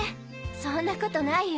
そんなことないよ。